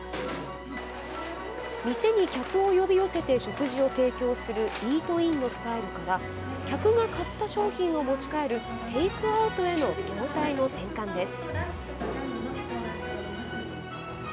店に客を呼び寄せて食事を提供するイートインのスタイルから客が買った商品を持ち帰るテイクアウトへの業態の転換です。